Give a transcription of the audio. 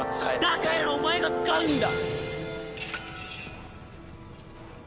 だからお前が使うんだ！